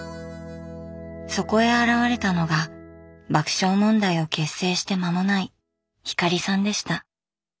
そこへ現れたのが爆笑問題を結成して間もない光さんでした。